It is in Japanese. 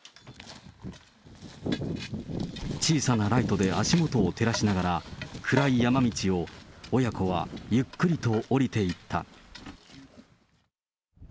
小さなライトで足元を照らしながら、暗い山道を、親子はゆっくりと下りていった。